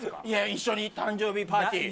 一緒に誕生日パーティー。